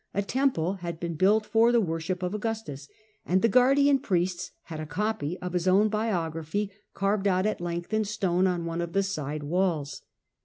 ^ temple had been built for the worship of Augustus, and the guardian priests had a copy of his own biography carved out at length in stone on one of the side walls.